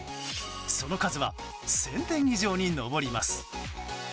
その数は１０００点以上に上ります。